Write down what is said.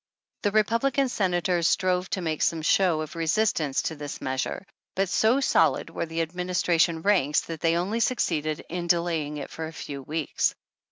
The Republican Senators strove to make some show of resistance to this measure, but so solid were the administration ranks, that they only succeeded in delaying it for a few Aveeks.